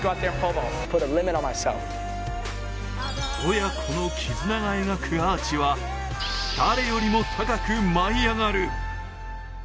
親子の絆が描くアーチは誰よりも高く舞い上がる。